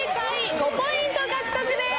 ５ポイント獲得です！